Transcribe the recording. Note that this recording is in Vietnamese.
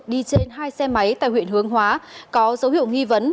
đi trên hai xe máy tại huyện hướng hóa có dấu hiệu nghi vấn